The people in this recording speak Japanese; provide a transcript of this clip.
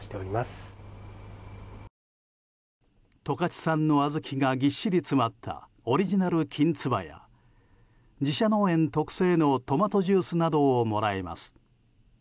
十勝産の小豆がぎっしり詰まったオリジナルきんつばや自社農園特製のトマトジュースなどをもらえます。